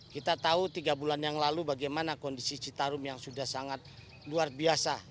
kita tahu tiga bulan yang lalu bagaimana kondisi citarum yang sudah sangat luar biasa